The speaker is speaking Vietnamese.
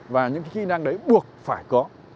và những cái kỹ năng đấy buộc phải có